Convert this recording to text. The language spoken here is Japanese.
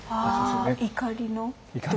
「怒り」の「怒」。